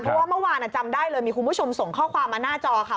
เพราะว่าเมื่อวานจำได้เลยมีคุณผู้ชมส่งข้อความมาหน้าจอค่ะ